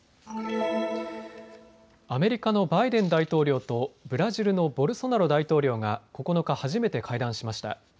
アメリカのバイデン大統領とブラジルのボルソナロ大統領が９日、初めて会談しました。